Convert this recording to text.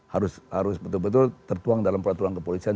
harus betul betul tertuang dalam peraturan kepolisian